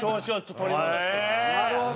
なるほど！